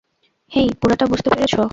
হেই, পুরোটা বুঝতে পেরেছ?